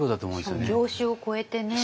しかも業種を超えてね。